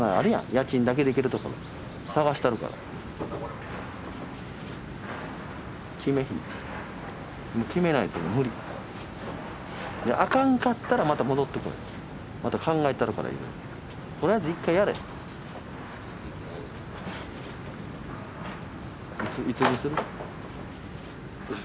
家賃だけでいけるところ探したるから決め決めないと無理あかんかったらまた戻ってこいまた考えたるからとりあえず１回やれいつにする？